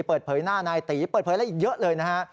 เปิดเผยหน้านายตีเปิดเผยอะไรอีกเยอะเลยนะฮะ